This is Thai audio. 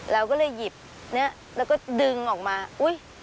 เราก็เลยหยิบเนี่ยแล้วก็ดึงออกมาอุ๊ย